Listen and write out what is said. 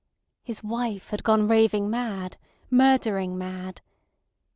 His wife had gone raving mad—murdering mad.